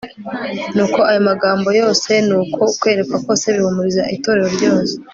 nuko ayo magambo yose n uko kwerekwa kose bihumuriza itorero ryose